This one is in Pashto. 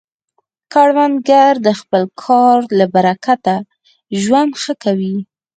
کروندګر د خپل کار له برکته ژوند ښه کوي